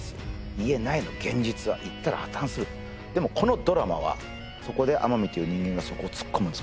言えないの現実は言ったら破綻するでもこのドラマはそこで天海という人間がそこを突っ込むんです